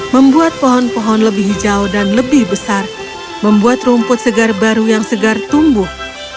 membuat pohon pohon lebih hijau dan lebih besar membuat rumput segar baru yang segar tumbuh